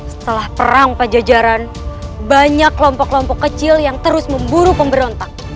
setelah perang pajajaran banyak kelompok kelompok kecil yang terus memburu pemberontak